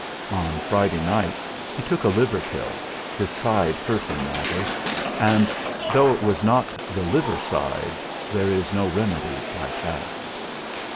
On Friday night he took a liver pill, his side hurt him rather, and though it was not the liver side, there is no remedy like that.